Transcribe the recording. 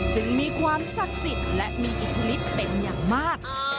จึงมีความศักดิ์สิทธิ์และมีอิทธิมิตรเป็นอย่างมาก